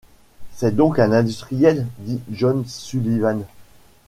C’est donc un industriel ? dit John Sullivan.